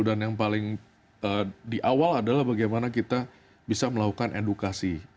dan yang paling di awal adalah bagaimana kita bisa melakukan edukasi